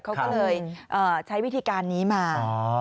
เขาก็เลยใช้วิธีการนี้มา